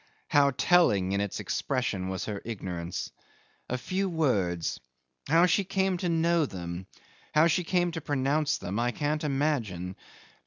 How telling in its expression was her ignorance. A few words! How she came to know them, how she came to pronounce them, I can't imagine.